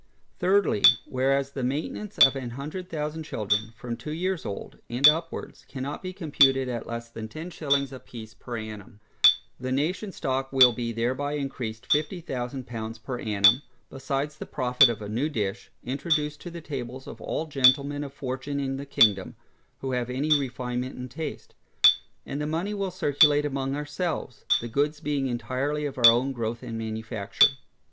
Thirdly, Whereas the maintainance of a hundred thousand children, from two years old, and upwards, cannot be computed at less than ten shillings a piece per annum, the nationŌĆÖs stock will be thereby encreased fifty thousand pounds per annum, besides the profit of a new dish, introduced to the tables of all gentlemen of fortune in the kingdom, who have any refinement in taste. And the money will circulate among our selves, the goods being entirely of our own growth and manufacture.